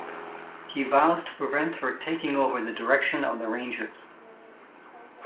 He vows to prevent her taking over the direction of the Rangers.